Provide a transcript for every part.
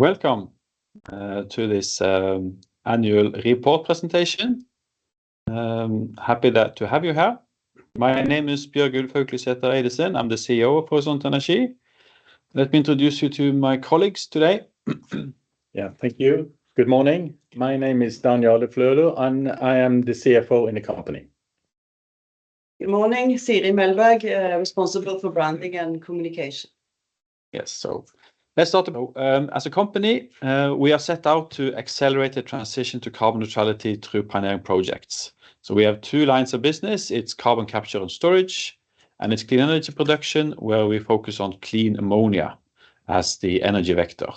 Welcome to this annual report presentation. Happy to have you here. My name is Bjørgulf Haukelidsæter Eidesen. I'm the CEO of Horisont Energi. Let me introduce you to my colleagues today. Yeah. Thank you. Good morning. My name is Dan Jarle Flølo, and I am the CFO in the company. Good morning. Siri Melberg, responsible for Branding and Communication. Yes. Let's start... As a company, we are set out to accelerate the transition to carbon neutrality through pioneering projects. We have two lines of business. It's carbon capture and storage, and it's clean energy production, where we focus on clean ammonia as the energy vector.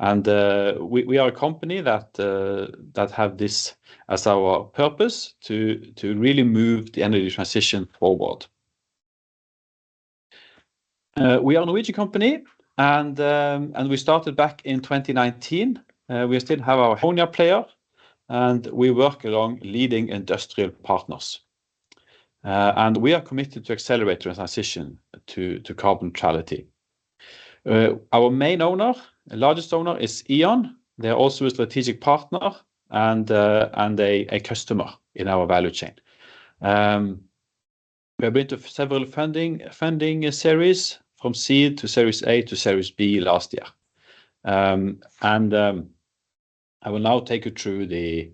We are a company that have this as our purpose to really move the energy transition forward. We are a Norwegian company, and we started back in 2019. We still have our ammonia player, and we work along leading industrial partners. And we are committed to accelerate the transition to carbon neutrality. Our main owner, largest owner is E.ON. They're also a strategic partner and a customer in our value chain. We've been to several funding series, from seed to series A to series B last year. I will now take you through the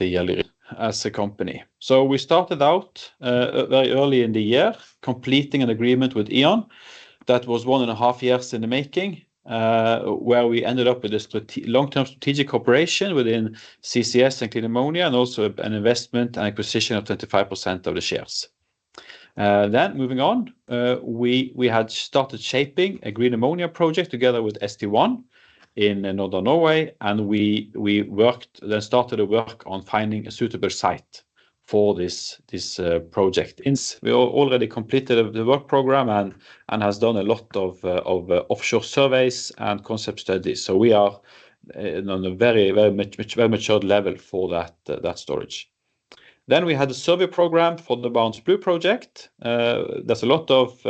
yearly as a company. We started out very early in the year, completing an agreement with E.ON that was one and a half years in the making, where we ended up with a long-term strategic cooperation within CCS and clean ammonia, and also an investment and acquisition of 35% of the shares. Moving on, we had started shaping a green ammonia project together with St1 in northern Norway, and we then started a work on finding a suitable site for this project. We already completed the work program and has done a lot of offshore surveys and concept studies. We are on a very matured level for that storage. We had the survey program for the Barents Blue project. There's a lot of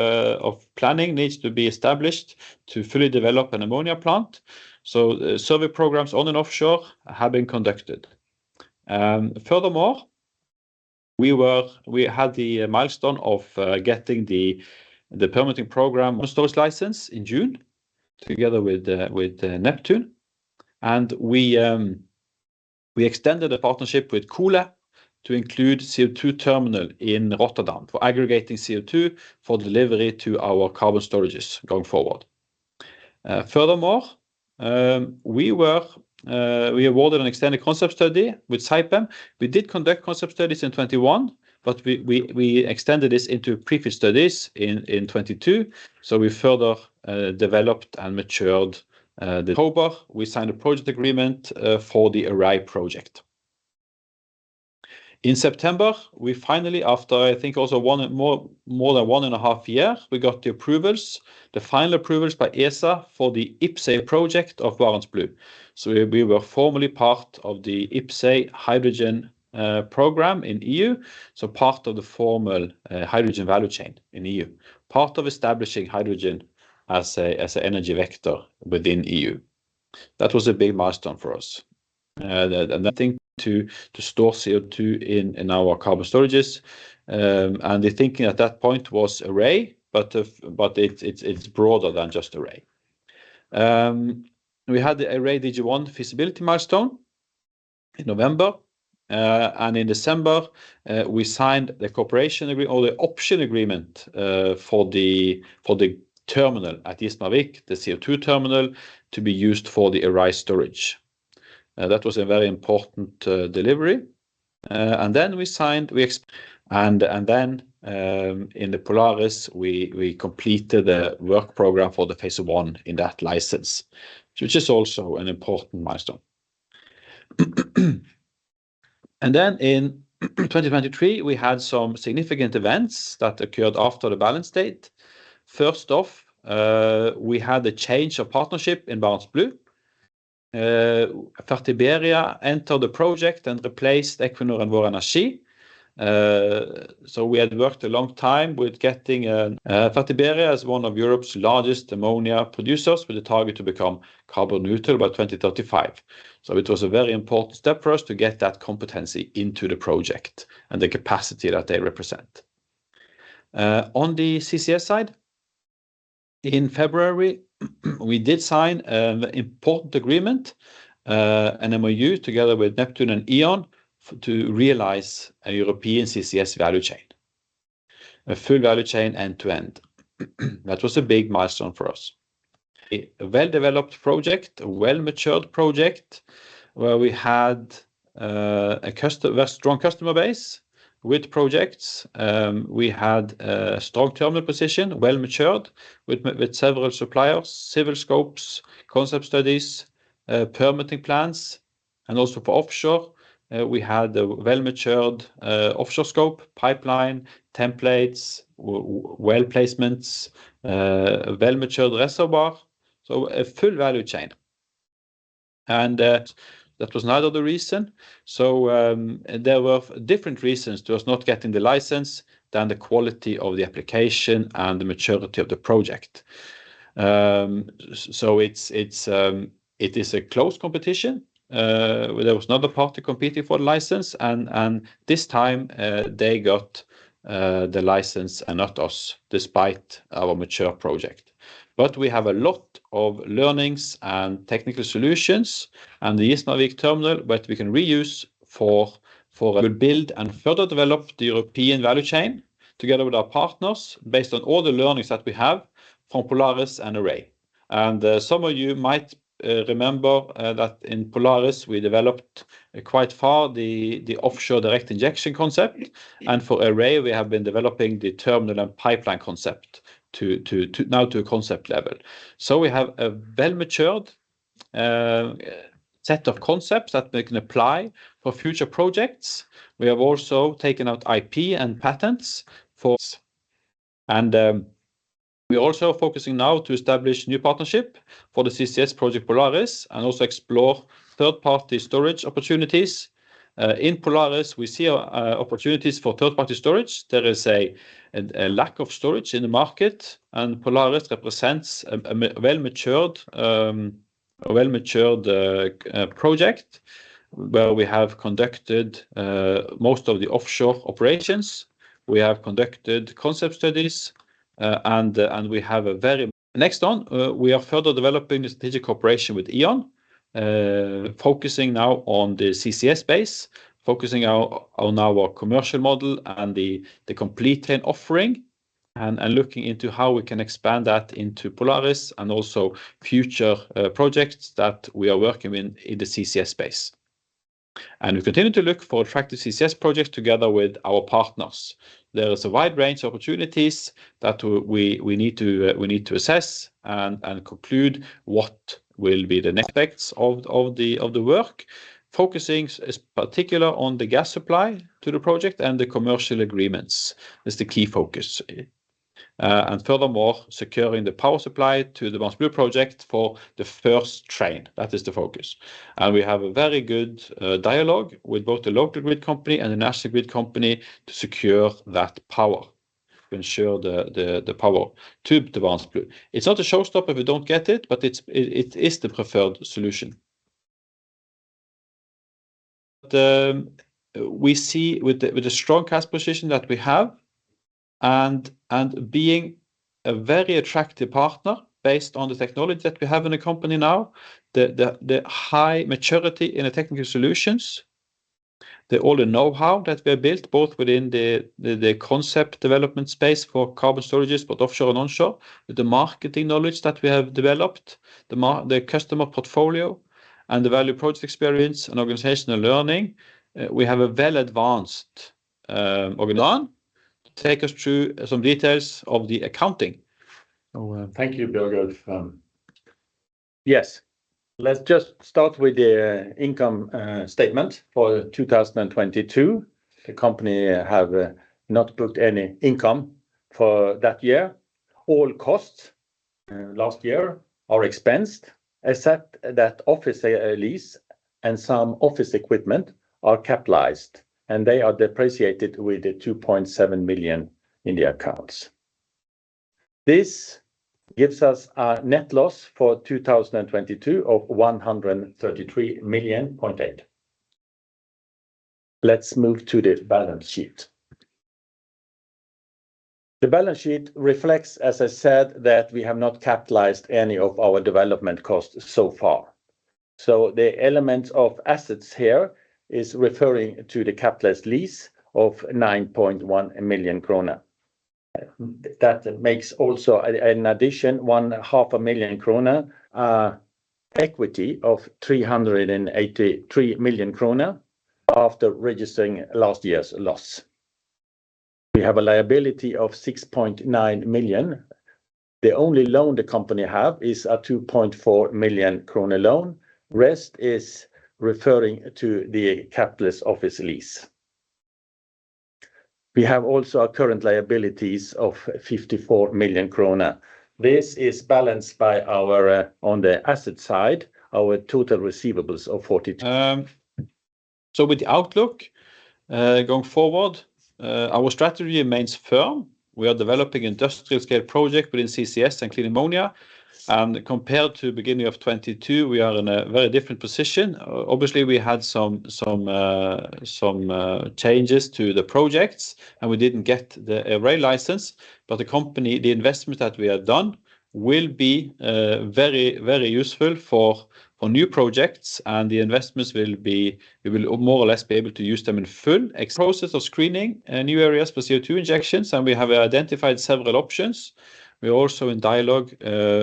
planning needs to be established to fully develop an ammonia plant. Survey programs on and offshore have been conducted. Furthermore, we had the milestone of getting the permitting program on storage license in June together with Neptune. We extended the partnership with Koole to include CO2 terminal in Rotterdam for aggregating CO2 for delivery to our carbon storages going forward. Furthermore, we awarded an extended concept study with Saipem. We did conduct concept studies in 2021, but we extended this into previous studies in 2022, we further developed and matured the. October, we signed a project agreement for the Errai project. In September, we finally, after I think also more than one and a half year, we got the approvals, the final approvals by ESA for the IPCEI project of Barents Blue. We were formally part of the IPCEI hydrogen program in E.U., so part of the formal hydrogen value chain in E.U., part of establishing hydrogen as a energy vector within E.U. That was a big milestone for us. I think to store CO2 in our carbon storages. The thinking at that point was Errai, but it's broader than just Errai. We had the Errai DG1 feasibility milestone in November. In December, we signed the option agreement for the terminal at Gismarvik, the CO2 terminal, to be used for the Errai storage. That was a very important delivery. We signed. In the Polaris, we completed the work program for the phase one in that license, which is also an important milestone. In 2023, we had some significant events that occurred after the balance date. First off, we had a change of partnership in Barents Blue. Fertiberia entered the project and replaced Equinor and Vår Energi. We had worked a long time with getting Fertiberia is one of Europe's largest ammonia producers with a target to become carbon neutral by 2035. It was a very important step for us to get that competency into the project and the capacity that they represent. On the CCS side, in February, we did sign an important agreement, an MOU together with Neptune and E.ON to realize a European CCS value chain, a full value chain end to end. That was a big milestone for us. A well-developed project, a well-matured project where we had a strong customer base with projects. We had a strong terminal position, well matured with several suppliers, civil scopes, concept studies, permitting plans. Also for offshore, we had a well matured offshore scope, pipeline, templates, well placements, well matured reservoir, so a full value chain. That was another reason. There were different reasons to us not getting the license than the quality of the application and the maturity of the project. It's, it's, it is a close competition. There was another party competing for the license, and this time, they got the license and not us, despite our mature project. We have a lot of learnings and technical solutions and the Gismarvik terminal, but we can reuse. We build and further develop the European value chain together with our partners based on all the learnings that we have from Polaris and Errai. Some of you might remember that in Polaris we developed quite far the offshore direct injection concept, and for Errai we have been developing the terminal and pipeline concept now to a concept level. We have a well matured set of concepts that we can apply for future projects. We have also taken out IP and patents. We also focusing now to establish new partnership for the CCS project Polaris and also explore third-party storage opportunities. In Polaris, we see opportunities for third-party storage. There is a lack of storage in the market, Polaris represents a well matured project where we have conducted most of the offshore operations. We have conducted concept studies, and we have a Next on, we are further developing the strategic cooperation with E.ON, focusing now on the CCS space, focusing on our commercial model and the complete chain offering and looking into how we can expand that into Polaris and also future projects that we are working in the CCS space. We continue to look for attractive CCS projects together with our partners. There is a wide range of opportunities that we need to, we need to assess and conclude what will be the next- Aspects of the work, focusing particular on the gas supply to the project and the commercial agreements is the key focus. Furthermore, securing the power supply to the Barents Blue project for the first train, that is the focus. We have a very good dialogue with both the local grid company and the national grid company to secure that power, to ensure the power to the Barents Blue. It's not a showstopper if we don't get it, but it is the preferred solution. We see with the strong cash position that we have and being a very attractive partner based on the technology that we have in the company now, the high maturity in the technical solutions, the all know-how that we have built both within the concept development space for carbon storages, both offshore and onshore, the marketing knowledge that we have developed, the customer portfolio and the value project experience and organizational learning, we have a well advanced. Over to Dan to take us through some details of the accounting. Thank you, Bjørgulf. Yes, let's just start with the income statement for 2022. The company have not booked any income for that year. All costs last year are expensed, except that office lease and some office equipment are capitalized, and they are depreciated with the 2.7 million in the accounts. This gives us a net loss for 2022 of 133.8 million. Let's move to the balance sheet. The balance sheet reflects, as I said, that we have not capitalized any of our development costs so far. The element of assets here is referring to the capitalized lease of 9.1 million kroner. That makes also an addition 1.5 million kroner equity of 383 million kroner after registering last year's loss. We have a liability of 6.9 million. The only loan the company have is a 2.4 million krone loan. Rest is referring to the capitalized office lease. We have also our current liabilities of 54 million krone. This is balanced by our on the asset side, our total receivables of... With the outlook going forward, our strategy remains firm. We are developing industrial scale project within CCS and clean ammonia. Compared to beginning of 2022, we are in a very different position. Obviously, we had some changes to the projects, and we didn't get the Errai license. The company, the investment that we have done will be very, very useful for new projects, and the investments we will more or less be able to use them in full process of screening new areas for CO2 injections. We have identified several options. We are also in dialogue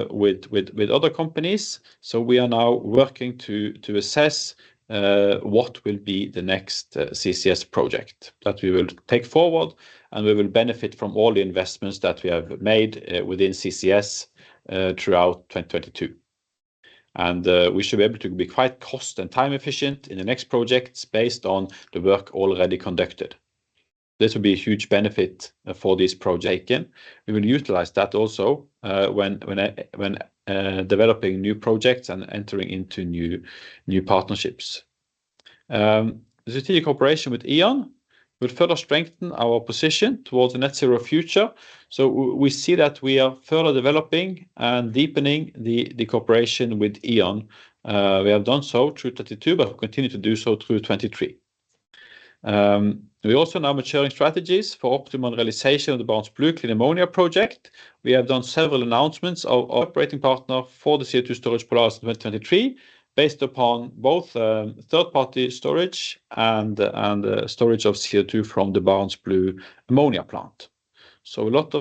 with other companies. We are now working to assess what will be the next CCS project that we will take forward, and we will benefit from all the investments that we have made within CCS throughout 2022. We should be able to be quite cost and time-efficient in the next projects based on the work already conducted. This will be a huge benefit for this project. We will utilize that also when developing new projects and entering into new partnerships. The strategic cooperation with E.ON will further strengthen our position towards a net zero future. We see that we are further developing and deepening the cooperation with E.ON. We have done so through 2022, but we continue to do so through 2023. We also now maturing strategies for optimal realization of the Barents Blue clean ammonia project. We have done several announcements of operating partner for the CO2 storage Polaris in 2023 based upon both, third party storage and storage of CO2 from the Barents Blue ammonia plant. A lot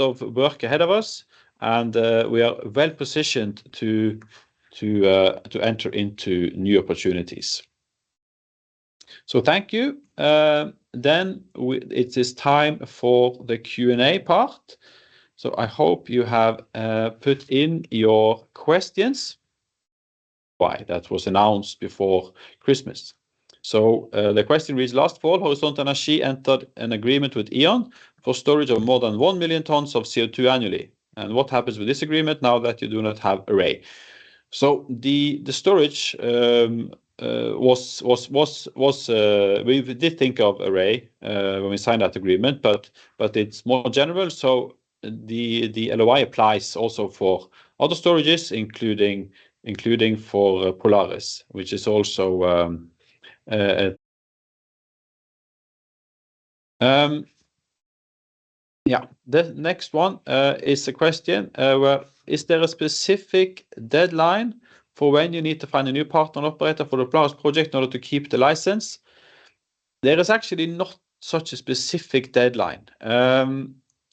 of work ahead of us and we are well positioned to enter into new opportunities. Thank you. It is time for the Q&A part. I hope you have put in your questions. Why? That was announced before Christmas. The question reads, "Last fall, Horisont Energi entered an agreement with E.ON for storage of more than 1 million tons of CO2 annually. What happens with this agreement now that you do not have Errai? The storage was, we did think of Errai when we signed that agreement, but it's more general. The LOI applies also for other storages including for Polaris, which is also. The next one is a question, "Is there a specific deadline for when you need to find a new partner operator for the Polaris project in order to keep the license?" There is actually not such a specific deadline.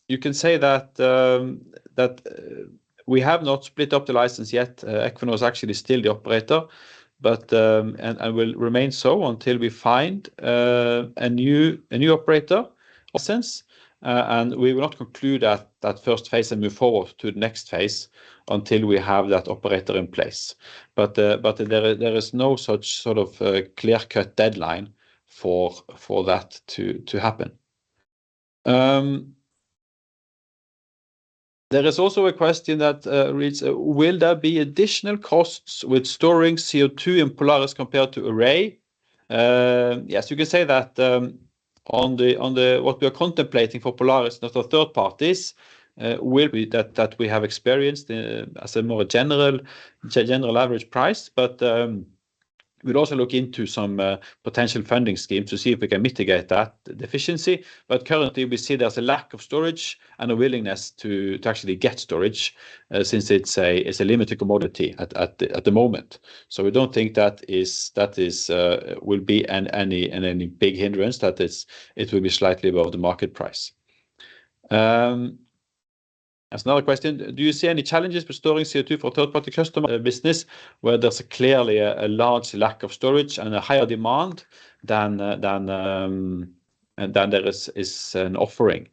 You can say that we have not split up the license yet. Equinor is actually still the operator, will remain so until we find a new operator license, and we will not conclude that first phase and move forward to the next phase until we have that operator in place. There is no such sort of clear-cut deadline for that to happen. There is also a question that reads, "Will there be additional costs with storing CO2 in Polaris compared to Errai?" Yes, you can say that on what we are contemplating for Polaris, not for third parties, will be that we have experienced as a more general average price. We'd also look into some potential funding schemes to see if we can mitigate that deficiency. Currently we see there's a lack of storage and a willingness to actually get storage, since it's a limited commodity at the moment. We don't think that is any big hindrance, that it will be slightly above the market price. There's another question, "Do you see any challenges for storing CO2 for third party customers?" A business where there's clearly a large lack of storage and a higher demand than there is an offering.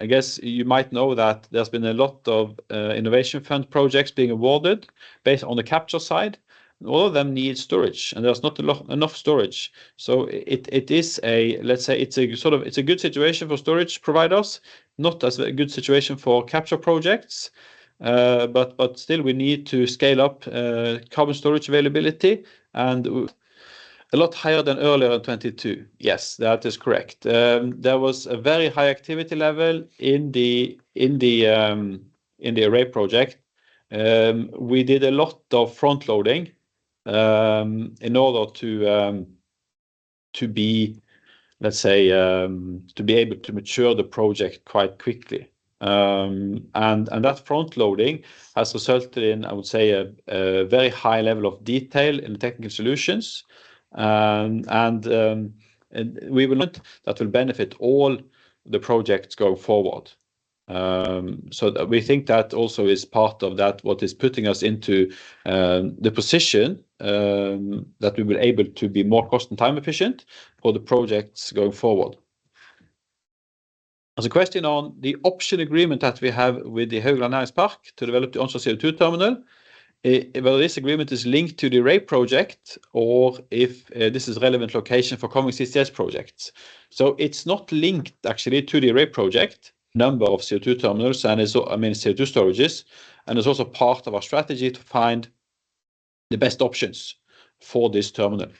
I guess you might know that there's been a lot of Innovation Fund projects being awarded based on the capture side. All of them need storage, and there's not enough storage. It is a let's say it's a sort of... It's a good situation for storage providers, not as a good situation for capture projects. Still we need to scale up carbon storage availability and a lot higher than earlier in '22. Yes, that is correct. There was a very high activity level in the Errai project. We did a lot of front loading in order to be, let's say, to be able to mature the project quite quickly. That front loading has resulted in, I would say, a very high level of detail in technical solutions. We will not. That will benefit all the projects go forward. That we think that also is part of that, what is putting us into the position that we will able to be more cost and time efficient for the projects going forward. There's a question on the option agreement that we have with the Haugaland Næringspark to develop the onshore CO2 terminal. Whether this agreement is linked to the Errai project or if this is relevant location for coming CCS projects. It's not linked actually to the Errai project, number of CO2 terminals, and I mean, CO2 storages, and it's also part of our strategy to find the best options for this terminal.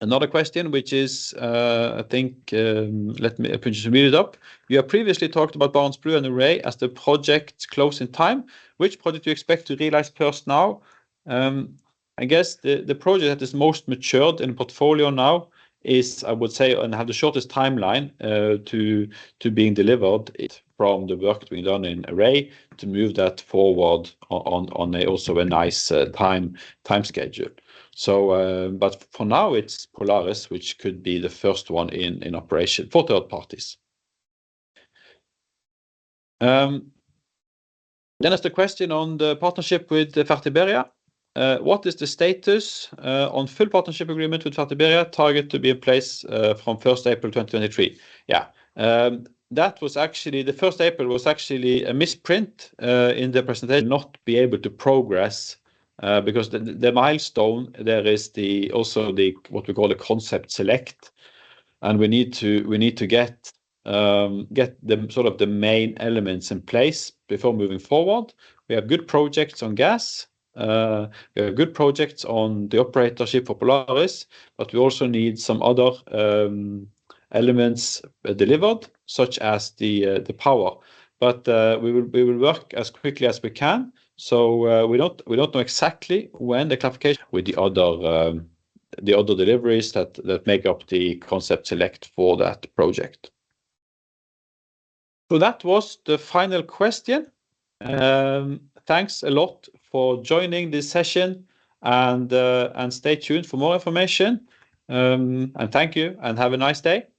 Another question which is, I think, let me just read it up. "You have previously talked about Barents Blue and Errai as the projects close in time. Which project do you expect to realize first now?" I guess the project that is most matured in the portfolio now is, I would say, and have the shortest timeline to being delivered is from the work being done in Errai to move that forward on a also a nice time schedule. But for now, it's Polaris, which could be the first one in operation for third parties. There's the question on the partnership with Fertiberia. What is the status on full partnership agreement with Fertiberia, target to be in place from 1st April 2023? Yeah. That was actually, the 1st April was actually a misprint in the presentation. Not be able to progress because the milestone there is also what we call the concept select, we need to get the sort of the main elements in place before moving forward. We have good projects on gas, we have good projects on the operatorship for Polaris, we also need some other elements delivered, such as the power. We will work as quickly as we can, we don't know exactly when the clarification with the other deliveries that make up the concept select for that project. That was the final question. Thanks a lot for joining this session, stay tuned for more information. Thank you, have a nice day. Bye.